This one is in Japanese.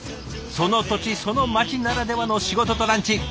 その土地その町ならではの仕事とランチ。